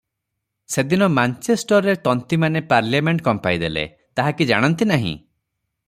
ସେଦିନ ମାଞ୍ଚେଷ୍ଟରର ତନ୍ତିମାନେ ପାର୍ଲିଆମେଣ୍ଟ କମ୍ପାଇଦେଲେ, ତାହା କି ଜାଣନ୍ତି ନାହିଁ?